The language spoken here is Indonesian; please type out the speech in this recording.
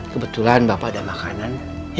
kebetulan bapak ada makanan